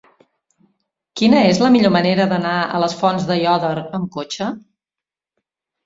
Quina és la millor manera d'anar a les Fonts d'Aiòder amb cotxe?